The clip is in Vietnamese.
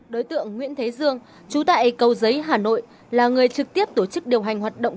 đối tượng nguyễn thế dương trú tại cầu giấy hà nội là người trực tiếp tổ chức điều hành hoạt động